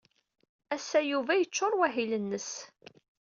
Ass-a, Yuba yeccuṛ wahil-nnes.